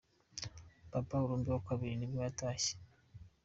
Papa arumbe wa kabiri nibwo yatashye.